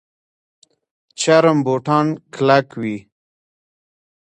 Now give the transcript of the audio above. چرم بوټان کلک وي